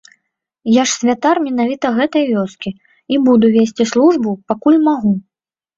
Я ж святар менавіта гэтай вёскі і буду весці службу, пакуль магу.